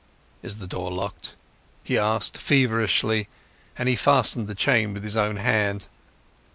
"Is the door locked?" he asked feverishly, and he fastened the chain with his own hand.